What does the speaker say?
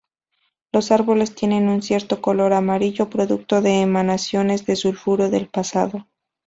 Los árboles tienen un cierto color amarillo producto de emanaciones de sulfuro del pasado.